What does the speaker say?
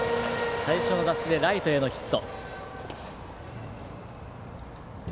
最初の打席でライトへのヒット。